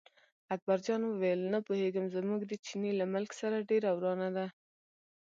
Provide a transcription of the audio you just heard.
اکبرجان وویل نه پوهېږم، زموږ د چیني له ملک سره ډېره ورانه ده.